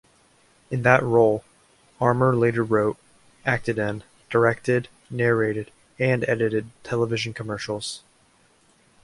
In that role, Armer later wrote, acted in, directed, narrated and edited television commercials.